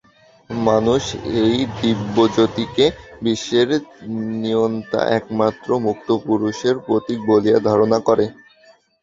মানুষ এই দিব্যজ্যোতিকে বিশ্বের নিয়ন্তা, একমাত্র মুক্ত পুরুষের প্রতীক বলিয়া ধারণা করে।